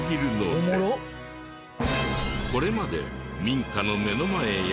これまで民家の目の前や。